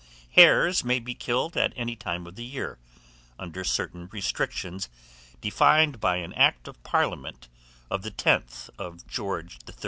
Hares may be killed at any time of the year, under certain restrictions defined by an act of parliament of the 10th of George III.